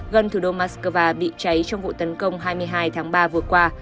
gần thủ đô moscow bị cháy trong vụ tấn công hai mươi hai tháng ba vừa qua